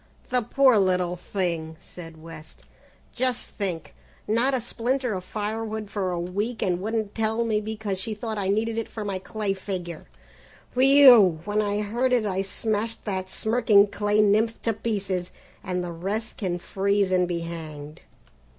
"The poor little thing," said West, "just think, not a splinter of firewood for a week and wouldn't tell me because she thought I needed it for my clay figure. Whew! When I heard it I smashed that smirking clay nymph to pieces, and the rest can freeze and be hanged!"